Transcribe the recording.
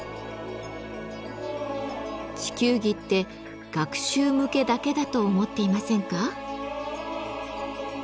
地球儀って学習向けだけだと思っていませんか？